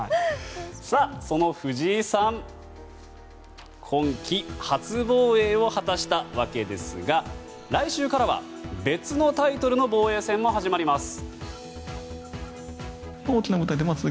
その藤井さん今季初防衛を果たしたわけですが来週からは、別のタイトルの防衛戦が始まります。